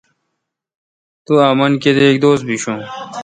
تو امں کیتک دوس بشون۔